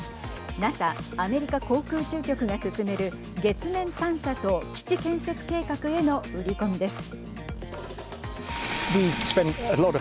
ＮＡＳＡ＝アメリカ航空宇宙局が進める月面探査と基地建設計画への売り込みです。